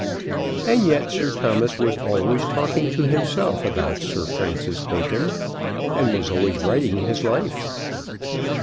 And yet Sir Thomas was always talking to himself about Sir Francis Bacon, and was always writing his life.